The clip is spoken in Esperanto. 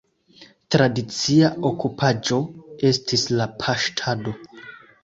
Tradicia okupiĝo estis la paŝtado.